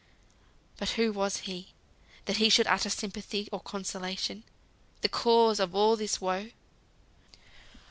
But who was he, that he should utter sympathy or consolation? The cause of all this woe.